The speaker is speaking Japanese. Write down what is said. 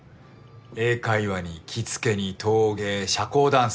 英会話に着付けに陶芸社交ダンス